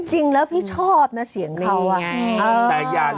จริงแล้วพี่ชอบเสียงเขาอ่ะ